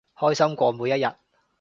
開心過每一日